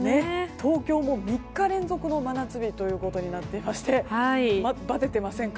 東京も３日連続の真夏日となっていましてばてていませんか？